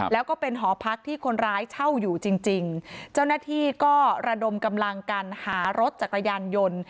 แล้วก็เป็นหอพักที่คนร้ายเช่าอยู่จริงจริงเจ้าหน้าที่ก็ระดมกำลังกันหารถจักรยานยนต์